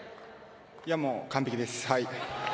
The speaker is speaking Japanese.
もう完璧です。